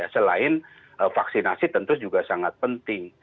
selain vaksinasi tentu juga sangat penting